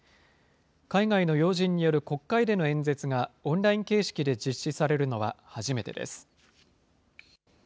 海外の要人による国会での演説が、オンライン形式で実施されるのは初めてです。